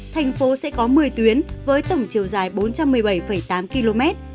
thành phố sẽ có một mươi tuyến với tổng chiều dài bốn trăm một mươi bảy tám km